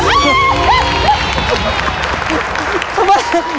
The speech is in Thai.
ลองขอบคุณครับ